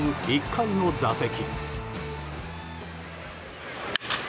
１回の打席。